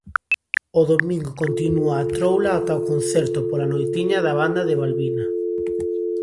O domingo continúa a troula ata o concerto pola noitiña da banda de balbina.